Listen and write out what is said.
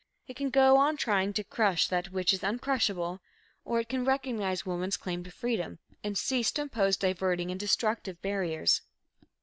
It can go on trying to crush that which is uncrushable, or it can recognize woman's claim to freedom, and cease to impose diverting and destructive barriers.